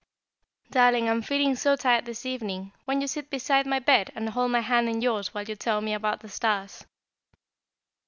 "Darling, I am feeling so tired this evening, won't you sit beside my bed and hold my hand in yours while you tell me about the stars?"